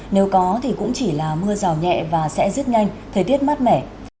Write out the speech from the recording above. nếu có thì cũng chỉ là mưa rào nhẹ và sẽ rất nhanh thời tiết mát mẻ